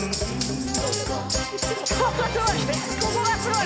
ここがすごい！